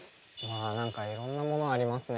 あ何かいろんなものありますね。